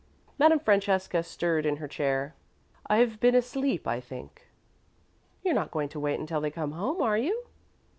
Madame Francesca stirred in her chair. "I've been asleep, I think." "You're not going to wait until they come home, are you?"